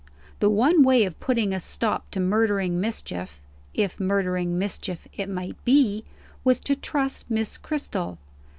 The one way of putting a stop to murdering mischief (if murdering mischief it might be) was to trust Miss Cristel.